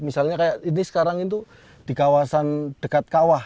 misalnya kayak ini sekarang itu di dekat kawasan